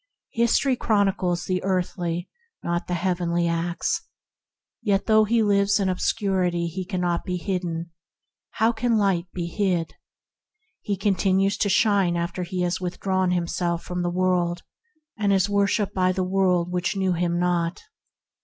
History chronicles the earthly, not the heavenly acts. Yet though he lives in ob scurity he cannot be hidden— for how can light be hid ?; he continues to shine after he has withdrawn himself from the world, and is worshipped by the world that knew him not.